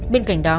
bên cạnh đó